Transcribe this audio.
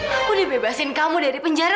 aku dibebasin kamu dari penjara